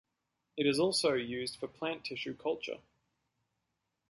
It is also used for plant tissue culture.